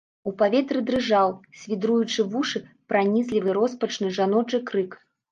У паветры дрыжаў, свідруючы вушы, пранізлівы, роспачны жаночы крык.